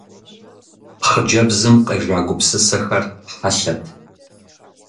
Хъыджэбзым къежа гупсысэхэр хьэлъэт.